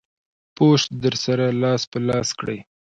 پوسټ در سره لاس پر لاس کړئ.